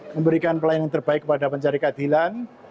memberikan pelayanan yang terbaik kepada pencari keadilan